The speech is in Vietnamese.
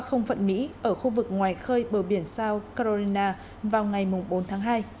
không phận mỹ ở khu vực ngoài khơi bờ biển sao carolina vào ngày bốn tháng hai